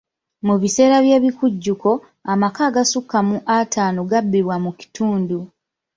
Mu biseera by'ebikujjuko, amaka agasukka mu ataano gabbibwa mu kitundu.